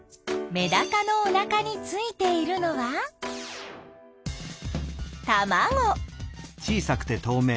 メダカのおなかについているのはたまご！